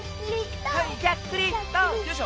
よいしょ！